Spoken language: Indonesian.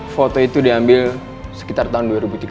foto itu diambil sekitar tahun dua ribu tiga belas